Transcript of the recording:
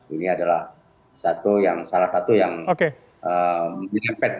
ini adalah salah satu yang menyerempet